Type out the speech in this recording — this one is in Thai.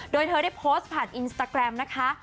โดยเธอได้โพสต์ผ่านอินสตาแกรมนะคะ